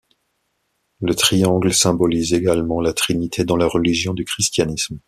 Le triangle symbolise également la trinité dans la religion du christianisme.